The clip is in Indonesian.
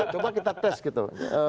coba kita tes gitu